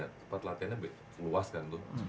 tempat latihannya luas kan tuh